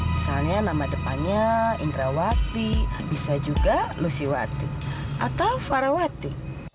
misalnya nama depannya indrawati bisa juga lusiwati atau farawati